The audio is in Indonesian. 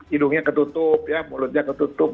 hidungnya ketutup ya mulutnya ketutup